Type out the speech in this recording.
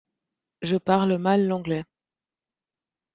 Je parle mal l’anglais.